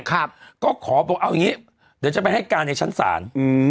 ครับก็ขอบอกเอาอย่างงี้เดี๋ยวจะไปให้การในชั้นศาลอืม